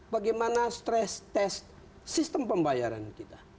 bagaimana stress tes sistem pembayaran kita